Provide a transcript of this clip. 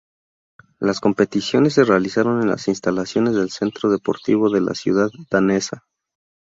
Las competiciones se realizaron en las instalaciones del Centro Deportivo de la ciudad danesa.